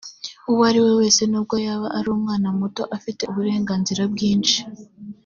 uwo ari we wese n ubwo yaba ari umwana muto afite uburenganzira bwinshi